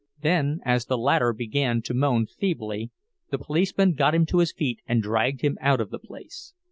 Then, as the latter began to moan feebly, the policeman got him to his feet and dragged him out of the place.